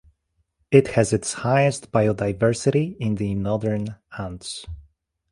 It has its highest biodiversity in the northern Andes.